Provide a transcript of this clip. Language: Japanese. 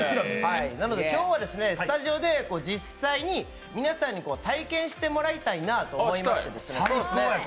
今日は、スタジオで実際に皆さんに体験してもらいたいなと思います。